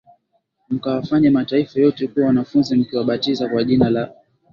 mkawafanye mataifa yote kuwa wanafunzi mkiwabatiza kwa jina la